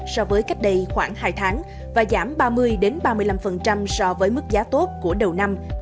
so với cách đây khoảng hai tháng và giảm ba mươi ba mươi năm so với mức giá tốt của đầu năm